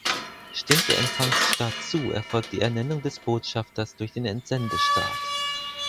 Stimmt der Empfangsstaat zu, erfolgt die Ernennung des Botschafters durch den Entsendestaat.